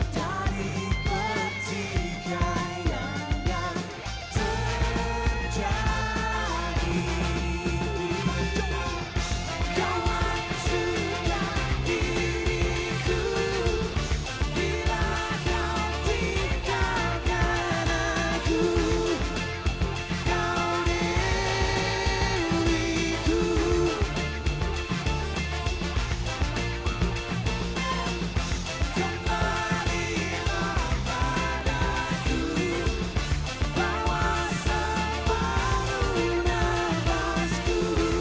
jangan hilang padaku